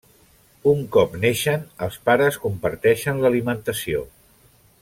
Un cop neixen, els pares comparteixen l’alimentació.